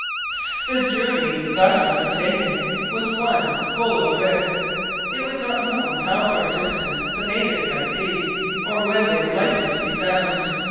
The journey thus undertaken was one full of risk. It was not known how far distant the natives might be, or where they were likely to be found.